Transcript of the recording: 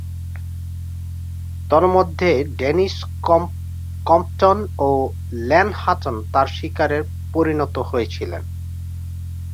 তন্মধ্যে, Denis Compton ও Len Hutton তার শিকারে পরিণত হয়েছিলেন।